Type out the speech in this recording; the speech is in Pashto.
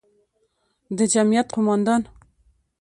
د جمعیت قوماندان،